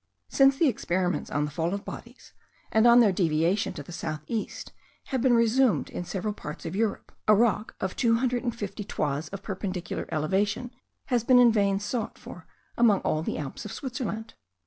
Since the experiments on the fall of bodies, and on their deviation to the south east, have been resumed in several parts of Europe, a rock of two hundred and fifty toises of perpendicular elevation has been in vain sought for among all the Alps of Switzerland.